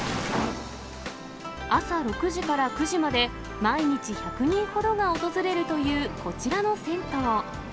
朝６時から９時まで、毎日１００人ほどが訪れるというこちらの銭湯。